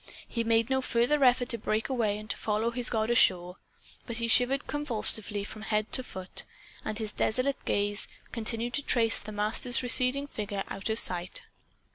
He made no further effort to break away and to follow his god ashore. But he shivered convulsively from head to foot; and his desolate gaze continued to trace the Master's receding figure out of sight.